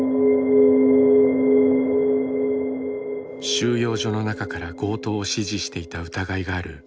収容所の中から強盗を指示していた疑いがあるルフィグループ。